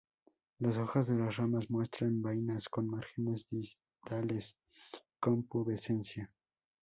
Las hojas de las ramas muestran vainas con márgenes distales con pubescencia.